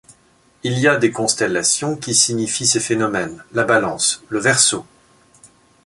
Il y a des constellations qui signifient ces phénomènes, la Balance, le Verseau.